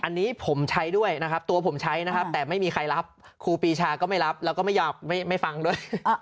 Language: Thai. อันนี้ผมใช้ด้วยนะครับตัวผมใช้นะครับแต่ไม่มีใครรับครูปีชาก็ไม่รับแล้วก็ไม่ยอมไม่ฟังด้วย